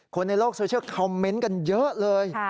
คนในโลกโซเชียลคอมเมนต์กันเยอะเลย